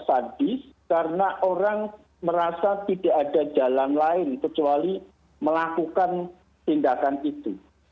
sadis karena orang merasa tidak ada jalan lain kecuali melakukan tindakan itu